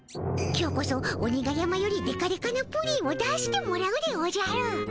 今日こそ鬼が山よりでかでかなプリンを出してもらうでおじゃる。